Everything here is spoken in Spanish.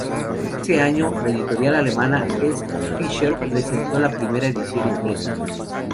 Ese año, la editorial alemana S. Fischer presentó la primera edición impresa.